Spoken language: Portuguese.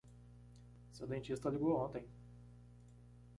Seu dentista ligou ontem.